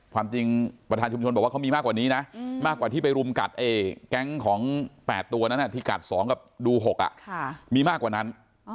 ความจริงประธานชุมชนบอกว่าเขามีมากกว่านี้นะมากกว่าที่ไปรุมกัดแก๊งของ๘ตัวนั้นที่กัด๒กับดู๖มีมากกว่านั้น